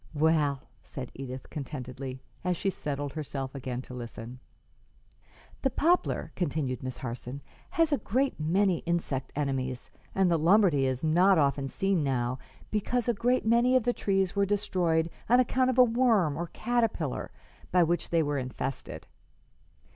"Well," said Edith, contentedly, as she settled herself again to listen. "The poplar," continued Miss Harson, "has a great many insect enemies, and the Lombardy is not often seen now, because a great many of these trees were destroyed on account of a worm, or caterpillar, by which they were infested.